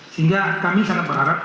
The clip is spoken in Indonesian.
sehingga kami sangat berharap